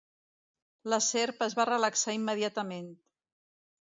La serp es va relaxar immediatament.